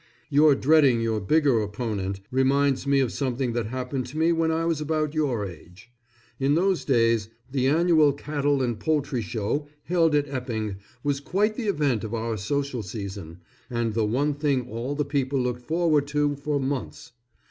Your dreading your bigger opponent reminds me of something that happened to me when I was about your age. In those days the Annual Cattle and Poultry Show held at Epping was quite the event of our social season, and the one thing all the people looked forward to, for months.